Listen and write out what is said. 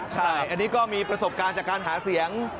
ใช่อันนี้ก็มีประสบการณ์จากการหาเสียง